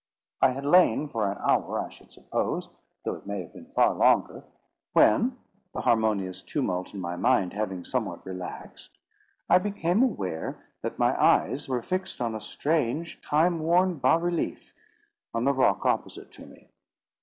I had lain for an hour, I should suppose, though it may have been far longer, when, the harmonious tumult in my mind having somewhat relaxed, I became aware that my eyes were fixed on a strange, time worn bas relief on the rock opposite to me.